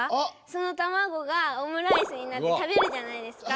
そのたまごがオムライスになって食べるじゃないですか。